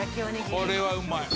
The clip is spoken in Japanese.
これはうまい」